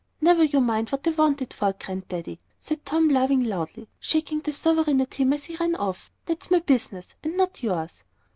"Never you mind what I want it for, Grand daddy," said Tom, laughing loudly and shaking the sovereign at him as he ran off; "that's my business, and not yours."